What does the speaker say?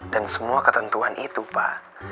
dan semua ketentuan itu pak